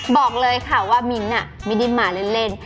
บอกเลยค่ะว่ามิ้นท์ไม่ได้มาเล่น